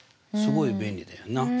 すごい便利だよな。